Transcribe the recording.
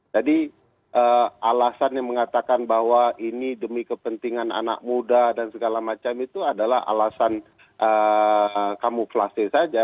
jadi alasan yang mengatakan bahwa ini demi kepentingan anak muda dan segala macam itu adalah alasan kamuflase saja